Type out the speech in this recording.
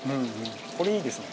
これいいですね。